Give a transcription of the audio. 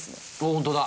ホントだ！